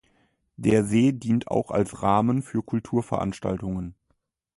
Der See dient auch als Rahmen für Kulturveranstaltungen.